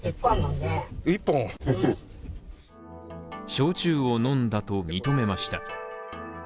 焼酎を飲んだと認めました。